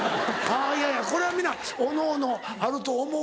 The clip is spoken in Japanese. いやいやこれは皆おのおのあると思うわ。